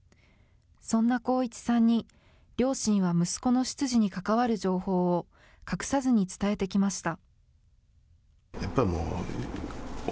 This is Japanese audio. そんな航一さんに、両親は息子の出自に関わる情報を隠さずに伝えてきました。